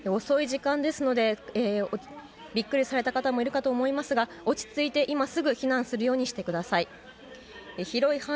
遅い時間ですのでビックリされた方もいると思いますが落ち着いて今すぐ避難するようにしてください。